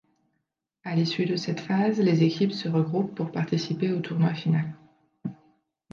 À l'issue de cette phase, les équipes se regroupent pour participer au tournoi final.